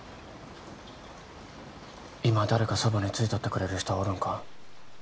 今誰かそばについとってくれる人はおるんか？